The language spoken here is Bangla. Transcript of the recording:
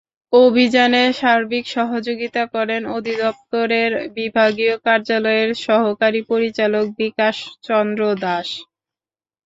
অভিযানে সার্বিক সহযোগিতা করেন অধিদপ্তরের বিভাগীয় কার্যালয়ের সহকারী পরিচালক বিকাশ চন্দ্র দাস।